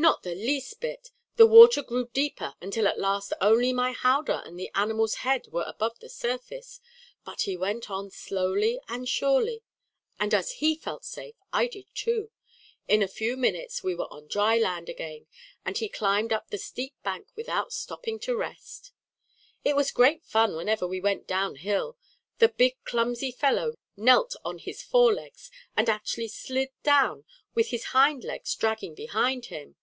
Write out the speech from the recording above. "Not the least bit. The water grew deeper until at last only my howdah and the animal's head were above the surface. But he went on slowly and surely, and as he felt safe, I did, too. In a few minutes we were on dry land again, and climbed up the steep bank without stopping to rest. "It was great fun whenever we went down hill. The big clumsy fellow knelt on his fore legs, and actually slid down, with his hind legs dragging behind him."